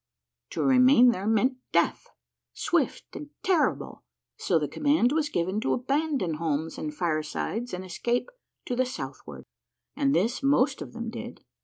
To remain there meant death, swift and terrible, so the command was given to abandon homes and fire sides and escape to the southward, and this most of them did.